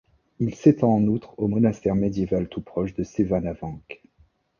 Il s'étend en outre au monastère médiéval tout proche de Sevanavank.